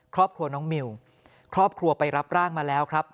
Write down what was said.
ครอบครัวน้องมิวครอบครัวไปรับร่างมาแล้วครับ